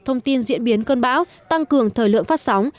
thông tin diễn biến cơn bão tăng cường thời lượng phát sóng